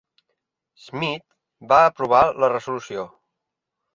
Smith va aprovar la resolució.